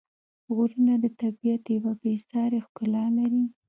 غرونه د طبیعت یوه بېساري ښکلا لري.